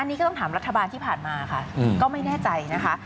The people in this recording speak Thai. อันนี้ก็ต้องถามรัฐบาลที่ผ่านมาค่ะก็ไม่แน่ใจนะคะ